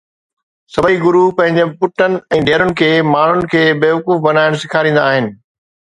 سڀئي گرو پنهنجن پٽن ۽ ڌيئرن کي ماڻهن کي بيوقوف بڻائڻ سيکاريندا آهن